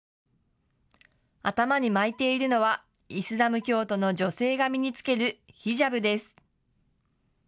頭に巻いているのはイスラム教徒の女性が身に着けるヒジャブです。